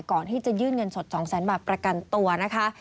ก่อนที่จะยื่นเงินสด๒แสนบาทประกันตัวนะคะ